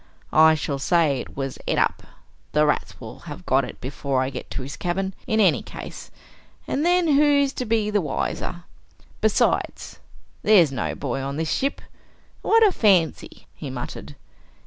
I shall say it was et up the rats will have got it before I get to his cabin, in any case, an' then who's to be the wiser? Besides, there's no boy on this ship. What a fancy!" he muttered.